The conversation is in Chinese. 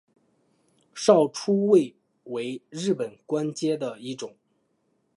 少初位为日本官阶的一种。